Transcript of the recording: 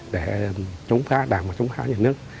để chống phá đảng và chống phá nhà nước